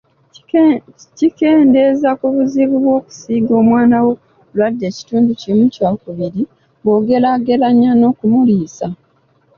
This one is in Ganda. Kikendeeza ku buzibu bw'okusiiga omwana wo obulwadde ekitundu kimu kyakubiri bw'ogeraageranya n'okumuliisa.